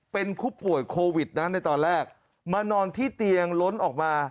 เป็นผู้ป่วยโควิดนะในตอนแรกมานอนที่เตียงล้นออกมา